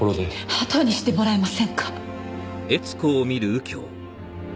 あとにしてもらえませんか！